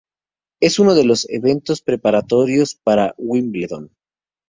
Es uno de los eventos preparatorios para Wimbledon.